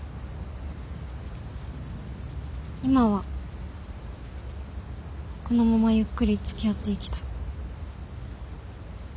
今はこのままゆっくりつきあっていきたい。